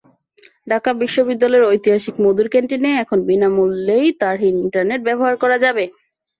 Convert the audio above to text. ঢাকা বিশ্ববিদ্যালয়ের ঐতিহাসিক মধুর ক্যানটিনে এখন বিনা মূল্যেই তারহীন ইন্টারনেট ব্যবহার করা যাবে।